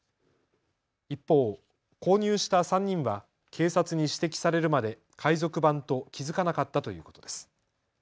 一方、購入した３人は警察に指摘されるまで海賊版と気付かなかったということです。